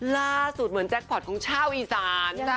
ล่าสุดเหมือนแจ็คพอร์ตของชาวอีสาน